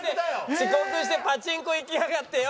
遅刻してパチンコ行きやがってよ！